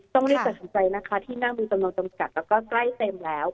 ต้องรีบตัดสินใจนะคะที่นั่งมีจำนวนจำกัดแล้วก็ใกล้เต็มแล้ว